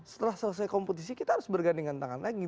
setelah selesai kompetisi kita harus bergandingan tangan lagi